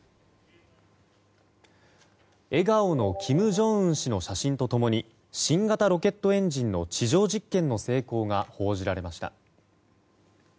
笑顔の金正恩氏の写真と共に新型ロケットエンジンの地上実験の成功が報じられました。